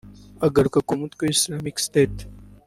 Agaruka ku mutwe wa Islamic State